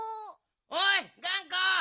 おいがんこ！